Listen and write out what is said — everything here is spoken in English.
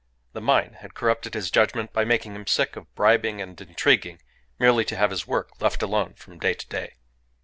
The mine had corrupted his judgment by making him sick of bribing and intriguing merely to have his work left alone from day to day.